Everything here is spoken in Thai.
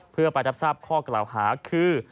เพื่อไปรับทราบข้อกล่าวหาคือ